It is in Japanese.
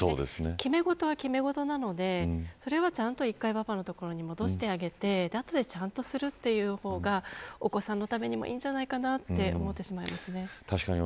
決め事は決め事なので、それはちゃんと１回パパのところに戻してあげて後でちゃんとする方がお子さんのためにもいいんじゃないかなと思います。